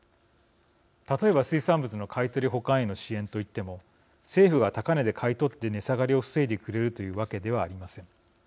例えば水産物の買い取り保管への支援といっても政府が高値で買い取って値下がりを防いでくれるというわけではありません。